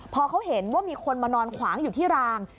พอเขาเห็นว่ามีคนมานอนขวางอยู่ที่ราง